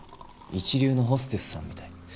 一流のホステスさんみたい。